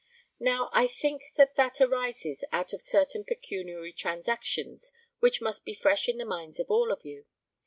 Now, I think that that arises out of certain pecuniary transactions which must be fresh in the minds of all of you.